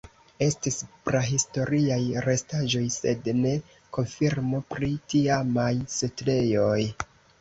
Estis prahistoriaj restaĵoj sed ne konfirmo pri tiamaj setlejoj.